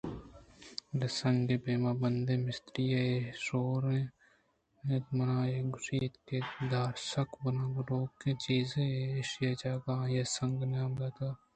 بلے سنگ ءِ بان بندیں مستری ئےءَ اے شورءَ را نہ مّن اِتءگُوٛشت دار سکّ بُن گروکیں چیز ئےءُ ایشی ءِ جاگہءَآئیءَسنگ ءِ نام دات